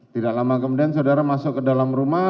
tidak lama kemudian saudara masuk ke dalam rumah